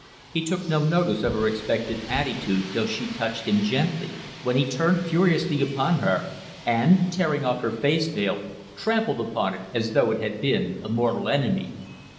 He took no notice of her expectant attitude till she touched him gently, when he turned furiously upon her and, tearing off her face veil, trampled upon it as though it had been a mortal enemy.